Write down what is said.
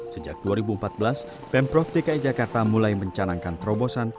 sejak dua ribu empat belas pemprov dki jakarta mulai mencanangkan terobosan